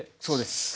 そうです。